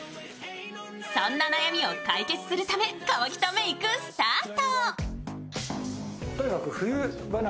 そんな悩みを解決するため、河北メイクスタート！